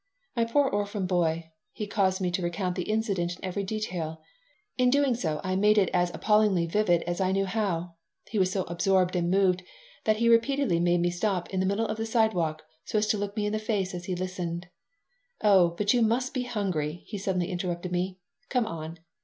"My poor orphan boy!" He caused me to recount the incident in every detail. In doing so I made it as appallingly vivid as I knew how. He was so absorbed and moved that he repeatedly made me stop in the middle of the sidewalk so as to look me in the face as he listened "Oh, but you must be hungry," he suddenly interrupted me. "Come on."